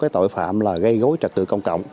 tội phạm là gây gối trật tự công cộng